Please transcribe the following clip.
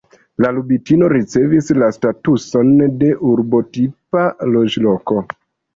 La Lubitino ricevis la statuson de urbotipa loĝloko.